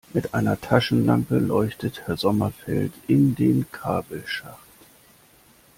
Mit einer Taschenlampe leuchtet Herr Sommerfeld in den Kabelschacht.